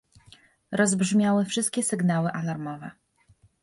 Rozbrzmiały wszystkie sygnały alarmowe